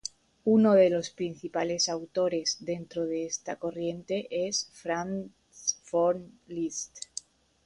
Uno de los principales autores dentro de esta corriente es Franz von Liszt.